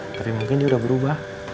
tapi mungkin dia udah berubah